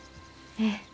ええ。